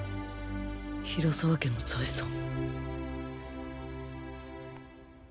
平沢家の財産。